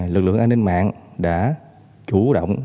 lực lượng an ninh mạng đã chủ động